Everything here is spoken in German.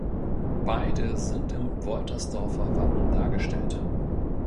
Beide sind im Woltersdorfer Wappen dargestellt.